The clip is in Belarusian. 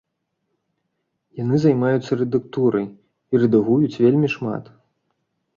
Яны займаюцца рэдактурай, і рэдагуюць вельмі шмат.